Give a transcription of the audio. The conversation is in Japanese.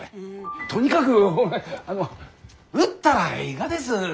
とにかく売ったらえいがです！